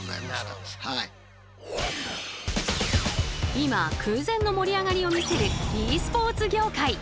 今空前の盛り上がりを見せるｅスポーツ業界。